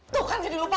tuh kan jadi lupa